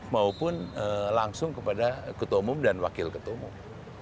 maupun langsung kepada ketua umum dan wakil ketua umum